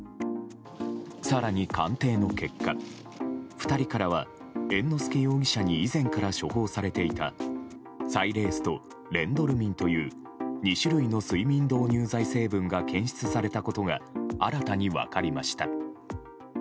更に鑑定の結果、２人からは猿之助容疑者に以前から処方されていたサイレースとレンドルミンという２種類の睡眠導入剤成分が検出されたことが新たに分かりました。